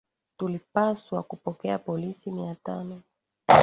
tulipaswa kupokea polisi mia tano